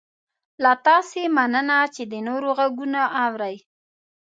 له تاسې مننه چې د نورو غږونه اورئ